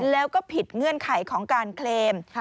แล้วก็ผิดเงื่อนไขของการเคลม